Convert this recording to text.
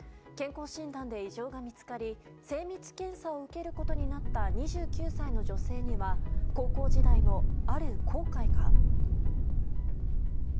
健康診断で異常が見つかり精密検査を受けることになった２９歳の女性には高校時代の、ある後悔が。